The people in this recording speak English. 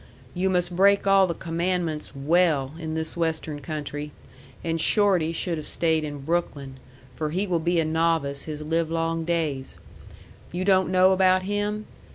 You must break all the Commandments WELL in this Western country, and Shorty should have stayed in Brooklyn, for he will be a novice his livelong days. You don't know about him?